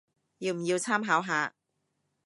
要唔要參考下